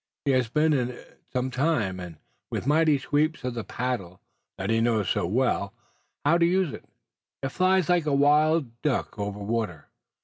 He has been in it some time, and with mighty sweeps of the paddle, that he knows so well how to use, it flies like a wild duck over the water.